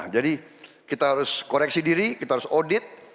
jadi kita harus koreksi diri kita harus audit